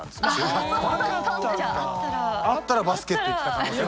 あったらバスケット行ってた可能性は。